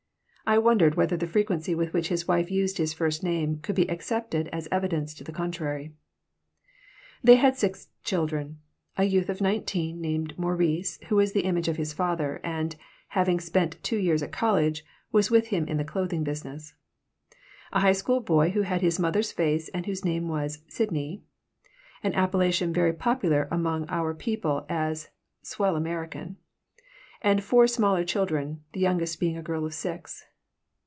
I wondered whether the frequency with which his wife used his first name could be accepted as evidence to the contrary They had six children: a youth of nineteen named Maurice who was the image of his father and, having spent two years at college, was with him in the clothing business; a high school boy who had his mother's face and whose name was Sidney an appellation very popular among our people as "swell American"; and four smaller children, the youngest being a little girl of six.